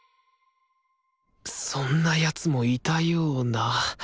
そんな奴もいたような。